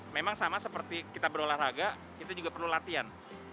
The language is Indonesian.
memang sama seperti kita berolahraga itu juga perlu latihan